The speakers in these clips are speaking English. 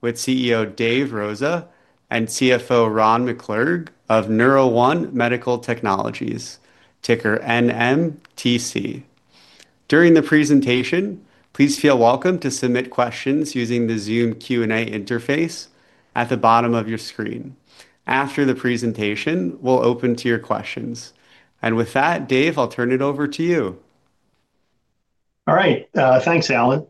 With CEO Dave Rosa and CFO Ron McClurg of NeuroOne Medical Technologies Corporation, ticker NMTC. During the presentation, please feel welcome to submit questions using the Zoom Q&A interface at the bottom of your screen. After the presentation, we'll open to your questions. With that, Dave, I'll turn it over to you. All right. Thanks, Alex.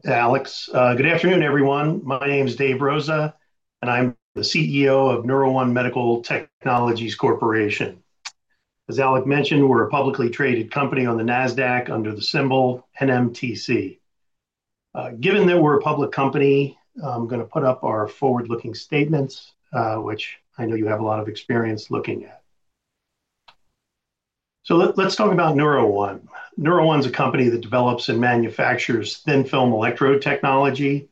Good afternoon, everyone. My name is Dave Rosa, and I'm the CEO of NeuroOne Medical Technologies Corporation. As Alex mentioned, we're a publicly traded company on the NASDAQ under the symbol NMTC. Given that we're a public company, I'm going to put up our forward-looking statements, which I know you have a lot of experience looking at. Let's talk about NeuroOne. NeuroOne is a company that develops and manufactures thin film electrode technology.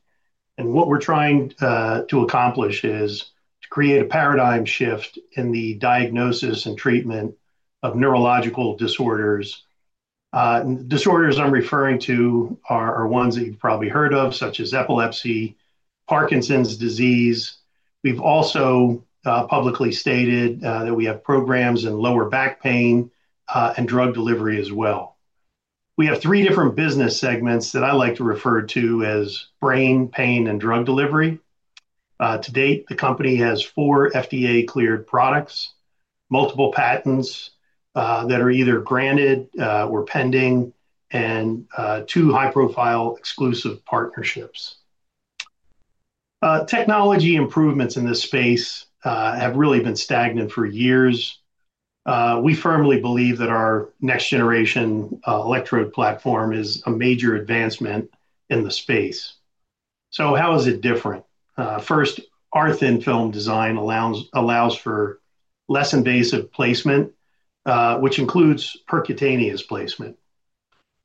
What we're trying to accomplish is to create a paradigm shift in the diagnosis and treatment of neurological disorders. Disorders I'm referring to are ones that you've probably heard of, such as epilepsy, Parkinson's disease. We've also publicly stated that we have programs in lower back pain and drug delivery as well. We have three different business segments that I like to refer to as brain, pain, and drug delivery. To date, the company has four FDA-cleared products, multiple patents that are either granted or pending, and two high-profile exclusive partnerships. Technology improvements in this space have really been stagnant for years. We firmly believe that our next-generation electrode platform is a major advancement in the space. How is it different? First, our thin film design allows for less invasive placement, which includes percutaneous placement.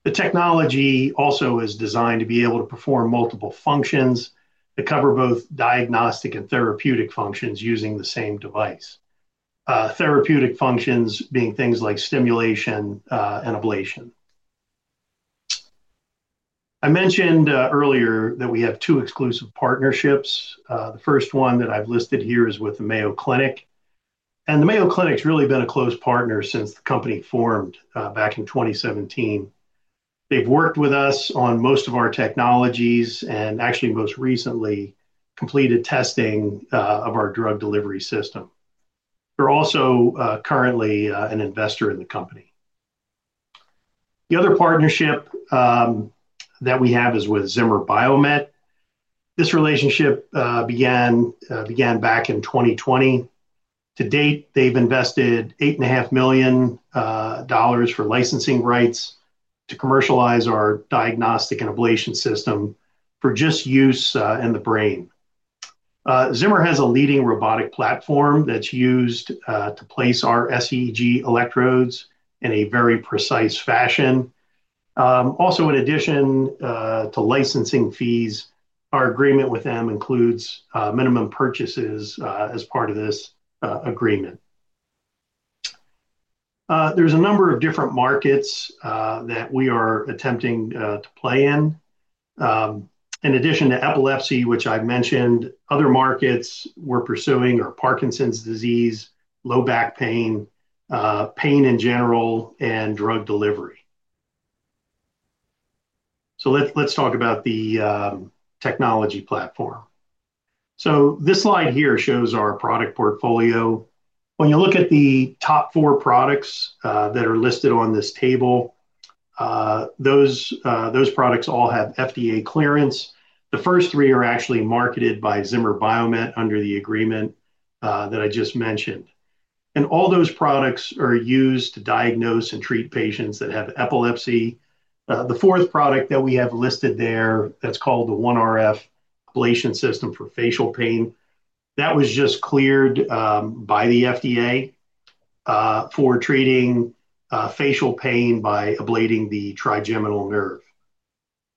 The technology also is designed to be able to perform multiple functions that cover both diagnostic and therapeutic functions using the same device, therapeutic functions being things like stimulation and ablation. I mentioned earlier that we have two exclusive partnerships. The first one that I've listed here is with the Mayo Clinic. The Mayo Clinic has really been a close partner since the company formed back in 2017. They've worked with us on most of our technologies and actually most recently completed testing of our drug delivery system. They're also currently an investor in the company. The other partnership that we have is with Zimmer Biomet. This relationship began back in 2020. To date, they've invested $8.5 million for licensing rights to commercialize our diagnostic and ablation system for just use in the brain. Zimmer has a leading robotic platform that's used to place our sEEG electrodes in a very precise fashion. Also, in addition to licensing fees, our agreement with them includes minimum purchases as part of this agreement. There's a number of different markets that we are attempting to play in. In addition to epilepsy, which I mentioned, other markets we're pursuing are Parkinson’s disease, low back pain, pain in general, and drug delivery. Let's talk about the technology platform. This slide here shows our product portfolio. When you look at the top four products that are listed on this table, those products all have FDA clearance. The first three are actually marketed by Zimmer Biomet under the agreement that I just mentioned. All those products are used to diagnose and treat patients that have epilepsy. The fourth product that we have listed there, that's called the OneRF ablation system for facial pain, was just cleared by the FDA for treating facial pain by ablating the trigeminal nerve.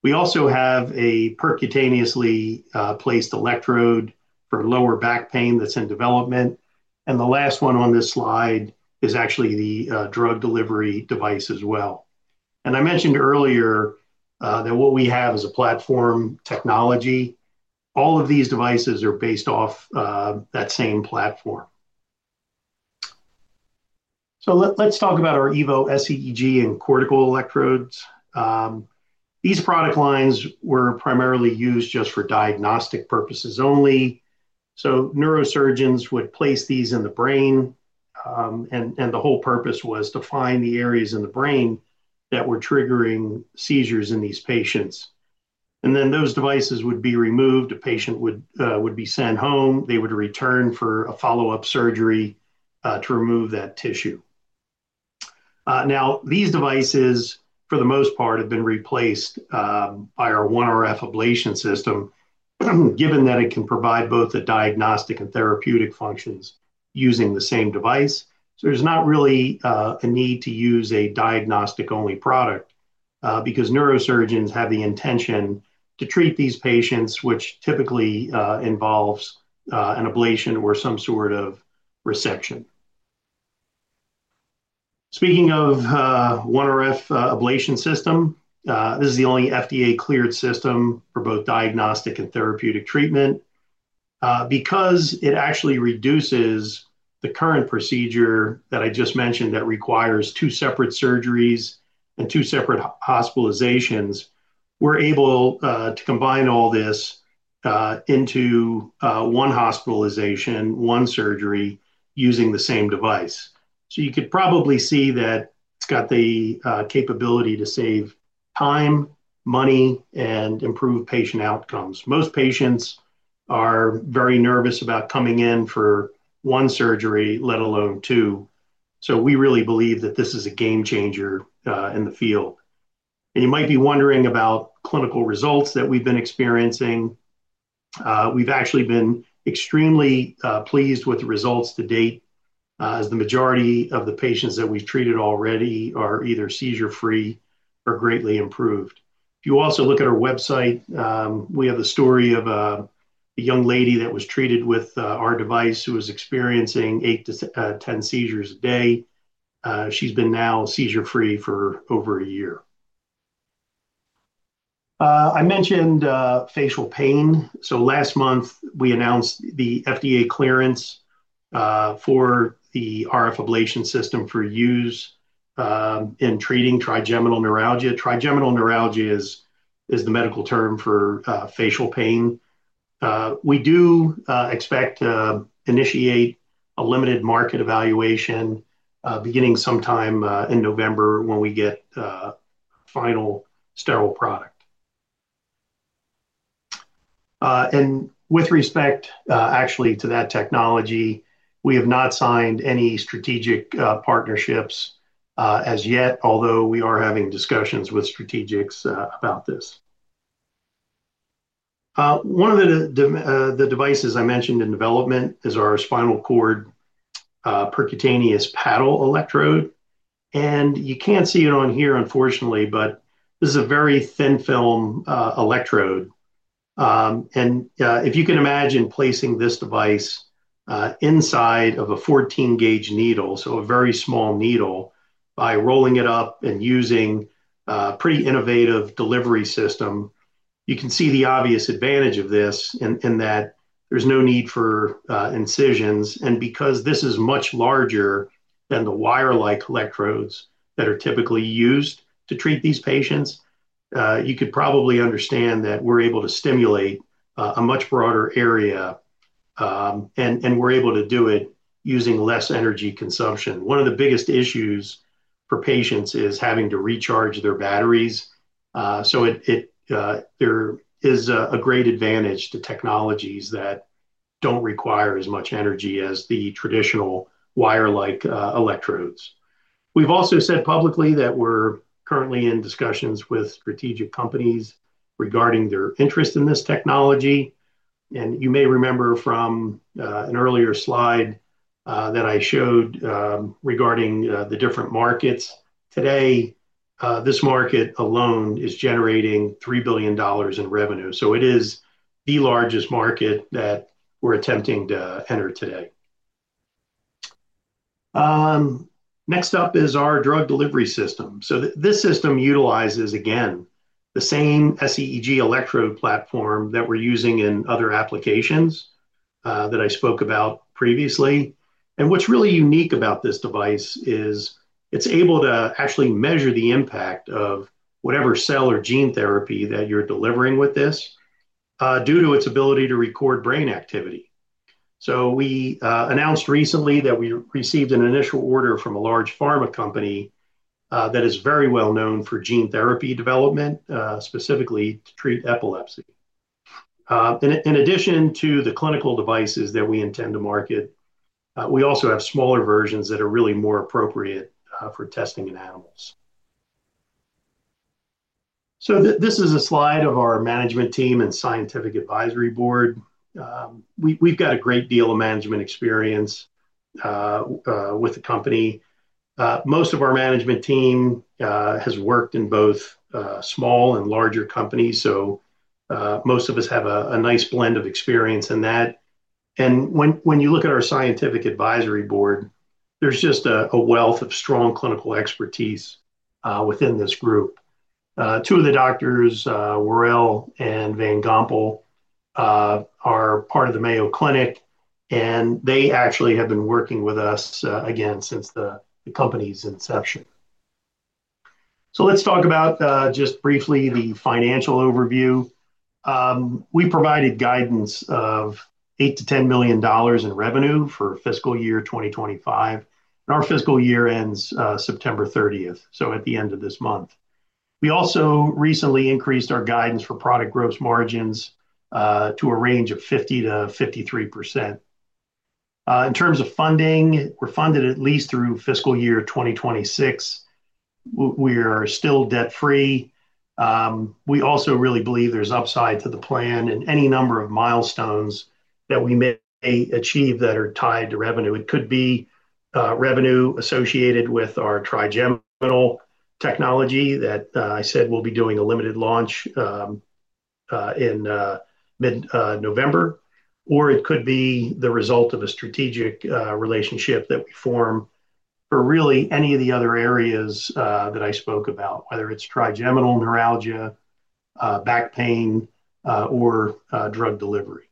We also have a percutaneously placed electrode for lower back pain that's in development. The last one on this slide is actually the drug delivery device as well. I mentioned earlier that what we have is a platform technology. All of these devices are based off that same platform. Let's talk about our Evo sEEG and cortical electrodes. These product lines were primarily used just for diagnostic purposes only. Neurosurgeons would place these in the brain, and the whole purpose was to find the areas in the brain that were triggering seizures in these patients. Then those devices would be removed. A patient would be sent home. They would return for a follow-up surgery to remove that tissue. Now, these devices, for the most part, have been replaced by our OneRF ablation system, given that it can provide both the diagnostic and therapeutic functions using the same device. There's not really a need to use a diagnostic-only product because neurosurgeons have the intention to treat these patients, which typically involves an ablation or some sort of resection. Speaking of OneRF ablation system, this is the only FDA-cleared system for both diagnostic and therapeutic treatment. Because it actually reduces the current procedure that I just mentioned that requires two separate surgeries and two separate hospitalizations, we're able to combine all this into one hospitalization, one surgery, using the same device. You could probably see that it's got the capability to save time, money, and improve patient outcomes. Most patients are very nervous about coming in for one surgery, let alone two. We really believe that this is a game changer in the field. You might be wondering about clinical results that we've been experiencing. We've actually been extremely pleased with the results to date, as the majority of the patients that we've treated already are either seizure-free or greatly improved. If you also look at our website, we have a story of a young lady that was treated with our device who was experiencing 8 to 10 seizures a day. She's been now seizure-free for over a year. I mentioned facial pain. Last month, we announced the FDA clearance for the OneRF ablation system for use in treating trigeminal neuralgia. Trigeminal neuralgia is the medical term for facial pain. We do expect to initiate a limited market evaluation beginning sometime in November when we get a final sterile product. With respect to that technology, we have not signed any strategic partnerships as yet, although we are having discussions with strategics about this. One of the devices I mentioned in development is our percutaneous paddle lead system. You can't see it on here, unfortunately, but this is a very thin film electrode. If you can imagine placing this device inside of a 14-gauge needle, so a very small needle, by rolling it up and using a pretty innovative delivery system, you can see the obvious advantage of this in that there's no need for incisions. Because this is much larger than the wire-like electrodes that are typically used to treat these patients, you could probably understand that we're able to stimulate a much broader area, and we're able to do it using less energy consumption. One of the biggest issues for patients is having to recharge their batteries. There is a great advantage to technologies that don't require as much energy as the traditional wire-like electrodes. We've also said publicly that we're currently in discussions with strategic companies regarding their interest in this technology. You may remember from an earlier slide that I showed regarding the different markets. Today, this market alone is generating $3 billion in revenue. It is the largest market that we're attempting to enter today. Next up is our sEEG-based drug delivery system. This system utilizes, again, the same sEEG electrode platform that we're using in other applications that I spoke about previously. What's really unique about this device is it's able to actually measure the impact of whatever cell or gene therapy that you're delivering with this due to its ability to record brain activity. We announced recently that we received an initial order from a large pharma company that is very well known for gene therapy development, specifically to treat epilepsy. In addition to the clinical devices that we intend to market, we also have smaller versions that are really more appropriate for testing in animals. This is a slide of our management team and Scientific Advisory Board. We've got a great deal of management experience with the company. Most of our management team has worked in both small and larger companies, so most of us have a nice blend of experience in that. When you look at our Scientific Advisory Board, there's just a wealth of strong clinical expertise within this group. Two of the doctors, Worrell and Van Gompel, are part of the Mayo Clinic, and they actually have been working with us, again, since the company's inception. Let's talk about just briefly the financial overview. We provided guidance of $8 to $10 million in revenue for fiscal year 2025. Our fiscal year ends September 30, so at the end of this month. We also recently increased our guidance for product gross margins to a range of 50% to 53%. In terms of funding, we're funded at least through fiscal year 2026. We are still debt-free. We also really believe there's upside to the plan and any number of milestones that we may achieve that are tied to revenue. It could be revenue associated with our trigeminal technology that I said we'll be doing a limited launch in mid-November, or it could be the result of a strategic relationship that we form, or really any of the other areas that I spoke about, whether it's trigeminal neuralgia, back pain, or drug delivery.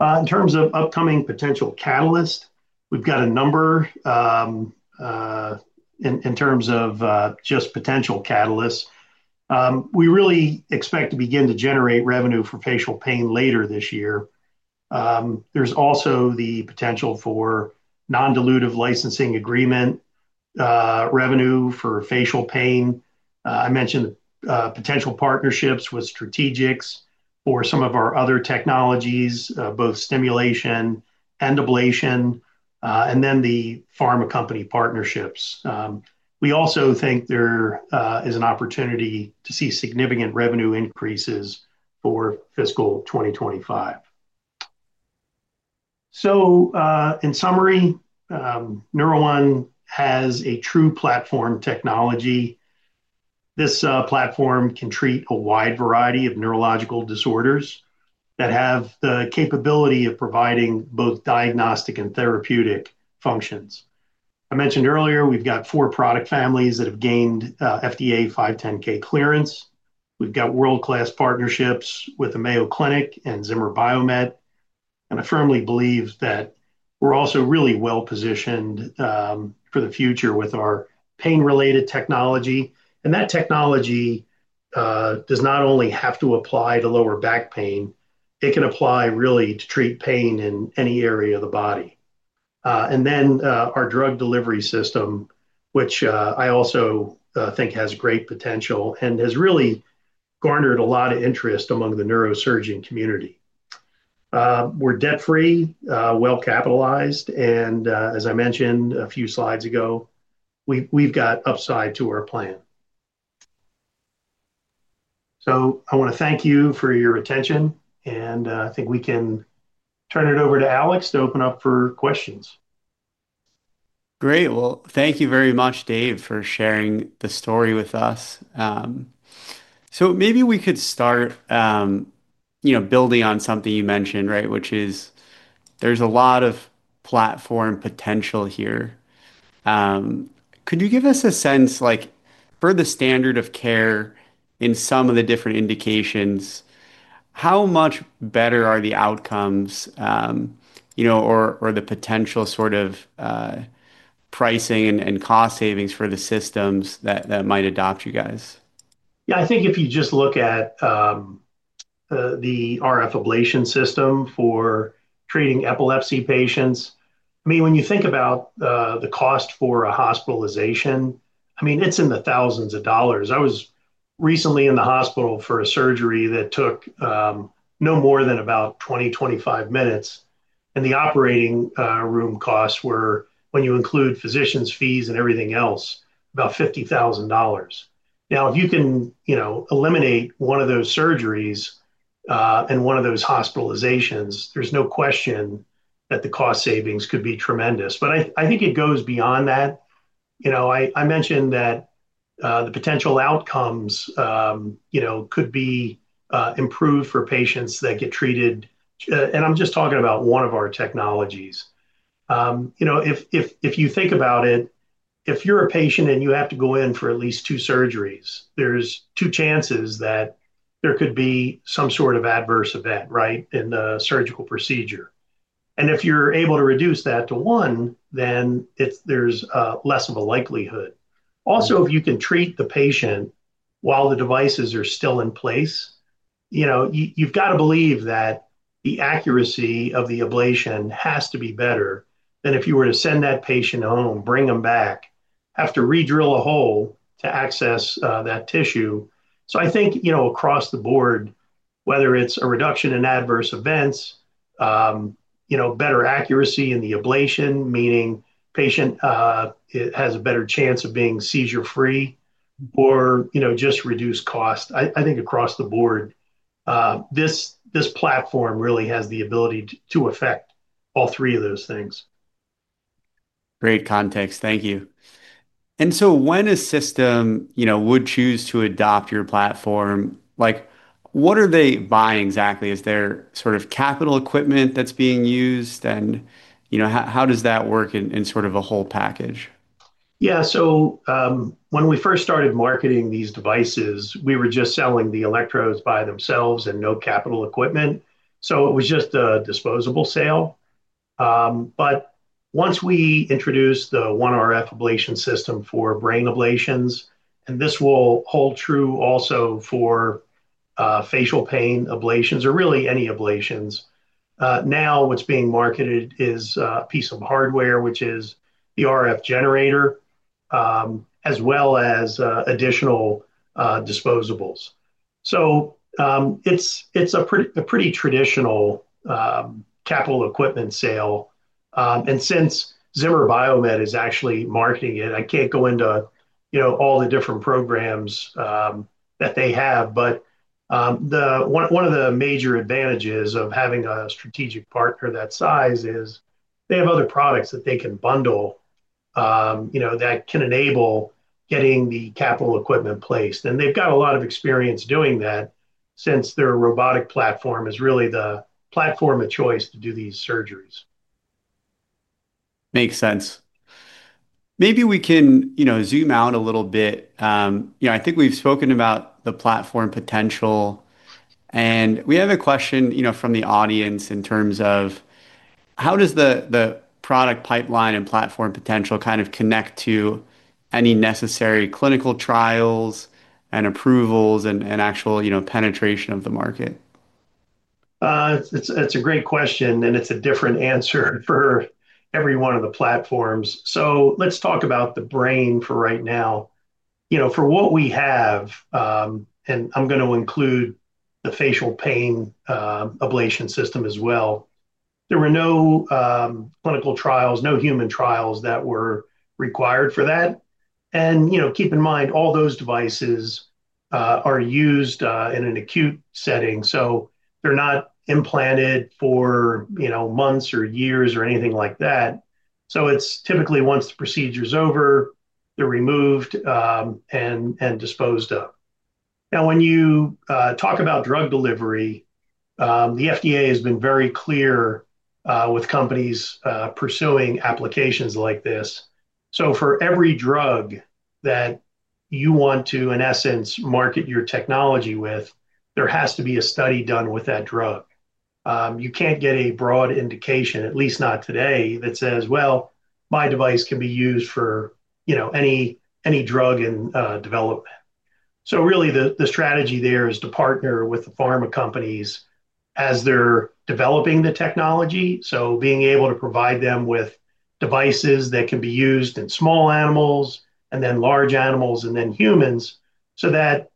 In terms of upcoming potential catalysts, we've got a number in terms of just potential catalysts. We really expect to begin to generate revenue for facial pain later this year. There's also the potential for non-dilutive licensing agreement revenue for facial pain. I mentioned the potential partnerships with Strategics for some of our other technologies, both stimulation and ablation, and then the pharma company partnerships. We also think there is an opportunity to see significant revenue increases for fiscal 2025. In summary, NeuroOne Medical Technologies Corporation has a true platform technology. This platform can treat a wide variety of neurological disorders that have the capability of providing both diagnostic and therapeutic functions. I mentioned earlier, we've got four product families that have gained FDA 510(k) clearance. We've got world-class partnerships with the Mayo Clinic and Zimmer Biomet. I firmly believe that we're also really well positioned for the future with our pain-related technology. That technology does not only have to apply to lower back pain; it can apply really to treat pain in any area of the body. Our drug delivery system, which I also think has great potential, has really garnered a lot of interest among the neurosurgeon community. We're debt-free, well-capitalized, and as I mentioned a few slides ago, we've got upside to our plan. I want to thank you for your attention, and I think we can turn it over to Alex to open up for questions. Great. Thank you very much, Dave, for sharing the story with us. Maybe we could start, building on something you mentioned, which is there's a lot of platform potential here. Could you give us a sense, for the standard of care in some of the different indications, how much better are the outcomes, or the potential sort of pricing and cost savings for the systems that might adopt you guys? Yeah, I think if you just look at the RF ablation system for treating epilepsy patients, when you think about the cost for a hospitalization, it's in the thousands of dollars. I was recently in the hospital for a surgery that took no more than about 20, 25 minutes, and the operating room costs were, when you include physicians' fees and everything else, about $50,000. Now, if you can eliminate one of those surgeries and one of those hospitalizations, there's no question that the cost savings could be tremendous. I think it goes beyond that. I mentioned that the potential outcomes could be improved for patients that get treated. I'm just talking about one of our technologies. If you think about it, if you're a patient and you have to go in for at least two surgeries, there's two chances that there could be some sort of adverse event, right, in the surgical procedure. If you're able to reduce that to one, then there's less of a likelihood. Also, if you can treat the patient while the devices are still in place, you've got to believe that the accuracy of the ablation has to be better than if you were to send that patient home, bring them back, have to redrill a hole to access that tissue. I think, across the board, whether it's a reduction in adverse events, better accuracy in the ablation, meaning the patient has a better chance of being seizure-free, or just reduced cost, this platform really has the ability to affect all three of those things. Great context. Thank you. When a system would choose to adopt your platform, what are they buying exactly? Is there sort of capital equipment that's being used? How does that work in sort of a whole package? Yeah, so when we first started marketing these devices, we were just selling the electrodes by themselves and no capital equipment. It was just a disposable sale. Once we introduced the OneRF ablation system for brain ablations, and this will hold true also for facial pain ablations or really any ablations, now what's being marketed is a piece of hardware, which is the RF generator, as well as additional disposables. It's a pretty traditional capital equipment sale. Since Zimmer Biomet is actually marketing it, I can't go into all the different programs that they have. One of the major advantages of having a strategic partner that size is they have other products that they can bundle that can enable getting the capital equipment placed. They've got a lot of experience doing that since their robotic platform is really the platform of choice to do these surgeries. Makes sense. Maybe we can zoom out a little bit. I think we've spoken about the platform potential. We have a question from the audience in terms of how does the product pipeline and platform potential connect to any necessary clinical trials and approvals and actual penetration of the market? It's a great question, and it's a different answer for every one of the platforms. Let's talk about the brain for right now. For what we have, and I'm going to include the facial pain ablation system as well, there were no clinical trials, no human trials that were required for that. Keep in mind all those devices are used in an acute setting. They're not implanted for months or years or anything like that. Typically, once the procedure is over, they're removed and disposed of. When you talk about drug delivery, the FDA has been very clear with companies pursuing applications like this. For every drug that you want to, in essence, market your technology with, there has to be a study done with that drug. You can't get a broad indication, at least not today, that says, my device can be used for any drug in development. The strategy there is to partner with the pharma companies as they're developing the technology. Being able to provide them with devices that can be used in small animals and then large animals and then humans so that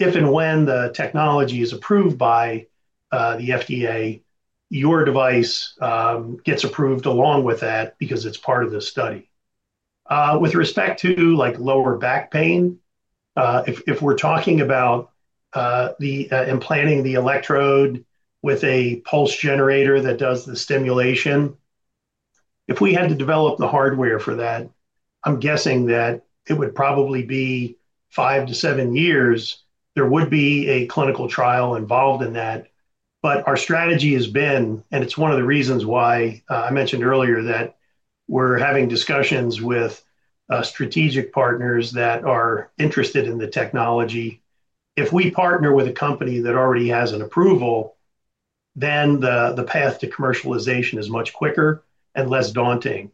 if and when the technology is approved by the FDA, your device gets approved along with that because it's part of the study. With respect to lower back pain, if we're talking about implanting the electrode with a pulse generator that does the stimulation, if we had to develop the hardware for that, I'm guessing that it would probably be five to seven years. There would be a clinical trial involved in that. Our strategy has been, and it's one of the reasons why I mentioned earlier that we're having discussions with strategic partners that are interested in the technology. If we partner with a company that already has an approval, then the path to commercialization is much quicker and less daunting.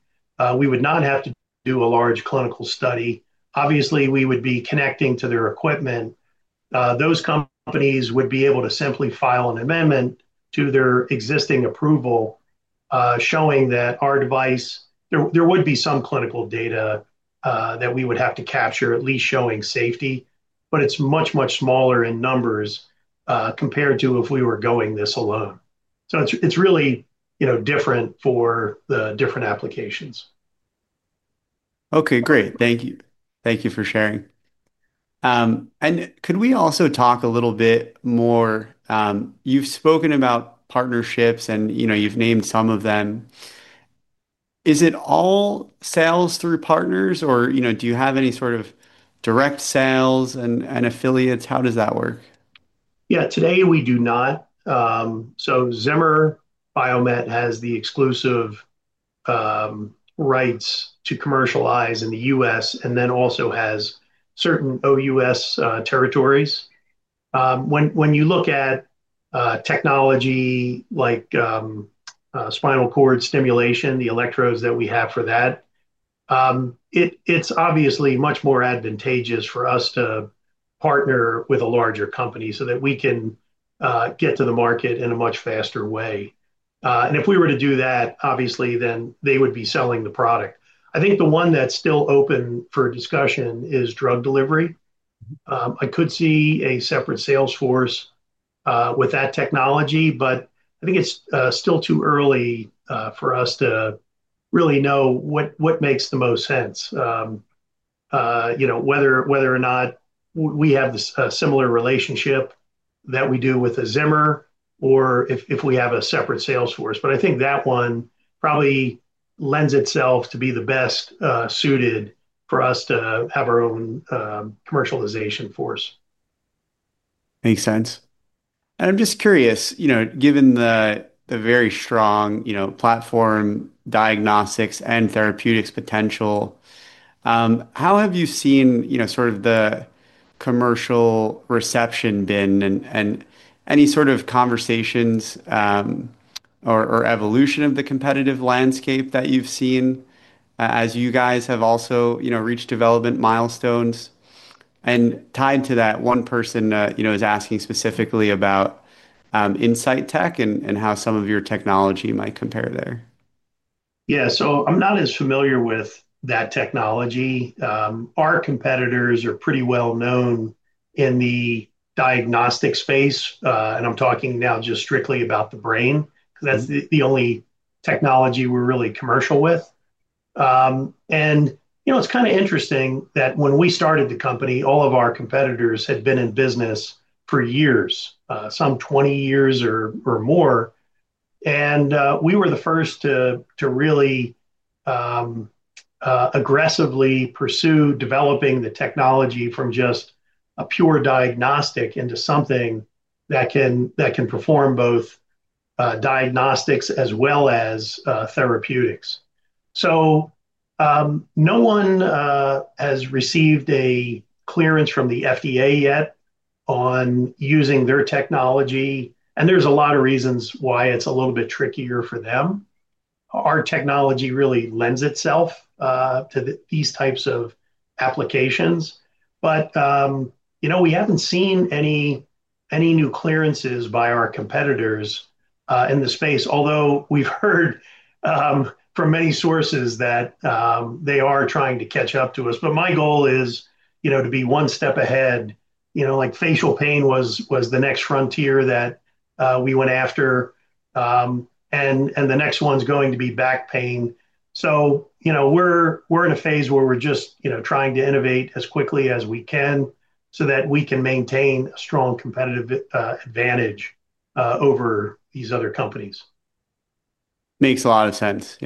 We would not have to do a large clinical study. Obviously, we would be connecting to their equipment. Those companies would be able to simply file an amendment to their existing approval, showing that our device, there would be some clinical data that we would have to capture, at least showing safety. It's much, much smaller in numbers compared to if we were going this alone. It's really different for the different applications. Okay, great. Thank you. Thank you for sharing. Could we also talk a little bit more? You've spoken about partnerships, and you've named some of them. Is it all sales through partners, or do you have any sort of direct sales and affiliates? How does that work? Yeah, today we do not. Zimmer Biomet has the exclusive rights to commercialize in the U.S. and then also has certain OUS territories. When you look at technology like spinal cord stimulation, the electrodes that we have for that, it's obviously much more advantageous for us to partner with a larger company so that we can get to the market in a much faster way. If we were to do that, obviously, then they would be selling the product. I think the one that's still open for discussion is drug delivery. I could see a separate sales force with that technology, but I think it's still too early for us to really know what makes the most sense, you know, whether or not we have a similar relationship that we do with a Zimmer or if we have a separate sales force. I think that one probably lends itself to be the best suited for us to have our own commercialization force. Makes sense. I'm just curious, given the very strong platform diagnostics and therapeutics potential, how have you seen the commercial reception been and any sort of conversations or evolution of the competitive landscape that you've seen as you guys have also reached development milestones? Tied to that, one person is asking specifically about InsightTech and how some of your technology might compare there. Yeah, so I'm not as familiar with that technology. Our competitors are pretty well known in the diagnostic space, and I'm talking now just strictly about the brain. That's the only technology we're really commercial with. It's kind of interesting that when we started the company, all of our competitors had been in business for years, some 20 years or more. We were the first to really aggressively pursue developing the technology from just a pure diagnostic into something that can perform both diagnostics as well as therapeutics. No one has received a clearance from the FDA yet on using their technology, and there's a lot of reasons why it's a little bit trickier for them. Our technology really lends itself to these types of applications. We haven't seen any new clearances by our competitors in the space, although we've heard from many sources that they are trying to catch up to us. My goal is to be one step ahead. Facial pain was the next frontier that we went after, and the next one's going to be back pain. We're in a phase where we're just trying to innovate as quickly as we can so that we can maintain a strong competitive advantage over these other companies. Makes a lot of sense.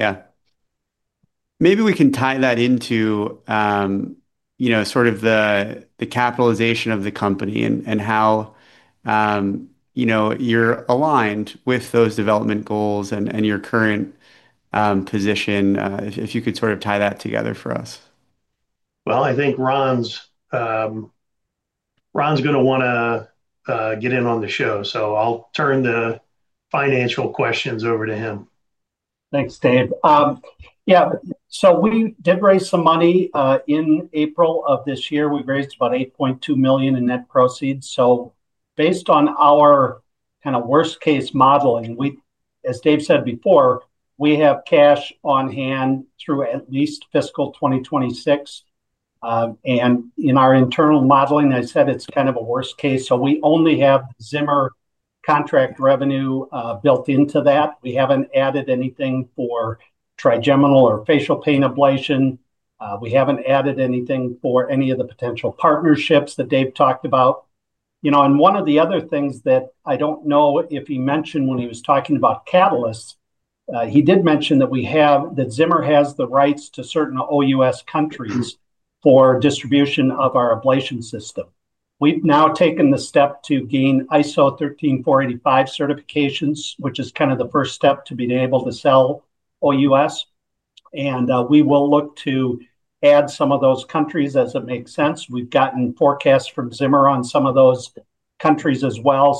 Maybe we can tie that into the capitalization of the company and how you're aligned with those development goals and your current position, if you could sort of tie that together for us. I think Ron's going to want to get in on the show, so I'll turn the financial questions over to him. Thanks, Dave. Yeah, so we did raise some money in April of this year. We raised about $8.2 million in net proceeds. Based on our kind of worst-case modeling, as Dave said before, we have cash on hand through at least fiscal 2026. In our internal modeling, I said it's kind of a worst case. We only have Zimmer contract revenue built into that. We haven't added anything for trigeminal or facial pain ablation. We haven't added anything for any of the potential partnerships that Dave talked about. One of the other things that I don't know if he mentioned when he was talking about catalysts, he did mention that Zimmer has the rights to certain OUS countries for distribution of our ablation system. We've now taken the step to gain ISO 13485 certifications, which is kind of the first step to be able to sell OUS. We will look to add some of those countries as it makes sense. We've gotten forecasts from Zimmer on some of those countries as well.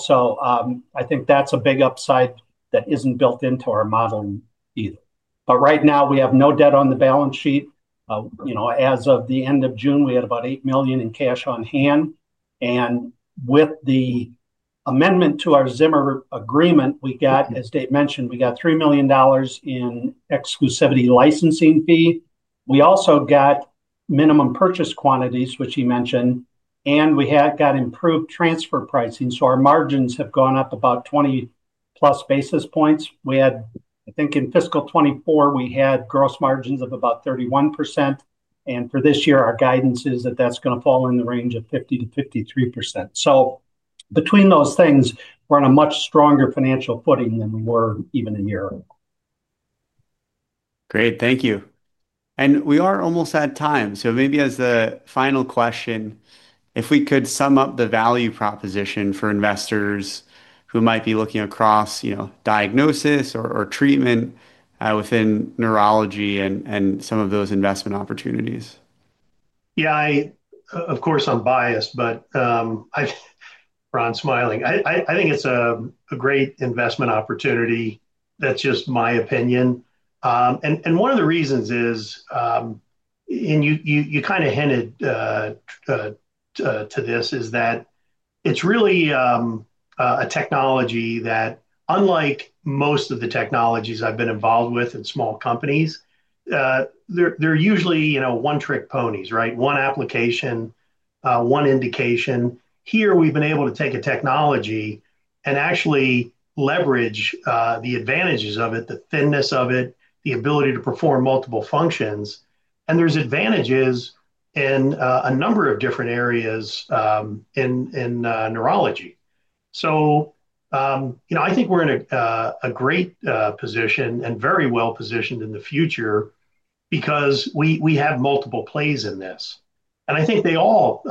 I think that's a big upside that isn't built into our model either. Right now, we have no debt on the balance sheet. As of the end of June, we had about $8 million in cash on hand. With the amendment to our Zimmer agreement, we got, as Dave mentioned, $3 million in exclusivity licensing fee. We also got minimum purchase quantities, which he mentioned. We have got improved transfer pricing, so our margins have gone up about 20 plus basis points. I think in fiscal 2024, we had gross margins of about 31%. For this year, our guidance is that that's going to fall in the range of 50 to 53%. Between those things, we're on a much stronger financial footing than we were even a year ago. Great. Thank you. We are almost out of time. Maybe as a final question, if we could sum up the value proposition for investors who might be looking across, you know, diagnosis or treatment within neurology and some of those investment opportunities. Yeah, I, of course, I'm biased, but I've got Ron smiling. I think it's a great investment opportunity. That's just my opinion. One of the reasons is, and you kind of hinted to this, it's really a technology that, unlike most of the technologies I've been involved with in small companies, they're usually, you know, one-trick ponies, right? One application, one indication. Here, we've been able to take a technology and actually leverage the advantages of it, the thinness of it, the ability to perform multiple functions. There's advantages in a number of different areas in neurology. I think we're in a great position and very well positioned in the future because we have multiple plays in this. I think they all,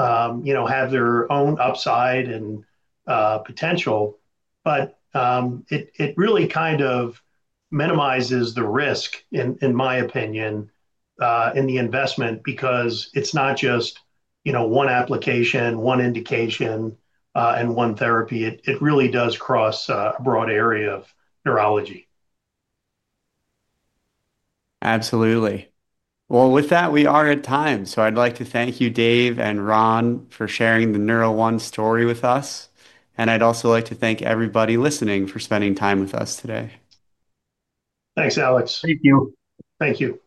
you know, have their own upside and potential. It really kind of minimizes the risk, in my opinion, in the investment because it's not just, you know, one application, one indication, and one therapy. It really does cross a broad area of neurology. Absolutely. With that, we are at time. I'd like to thank you, Dave and Ron, for sharing the NeuroOne story with us. I'd also like to thank everybody listening for spending time with us today. Thanks, Alex. Thank you. Thank you.